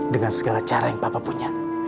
dengan segala cara yang papa punya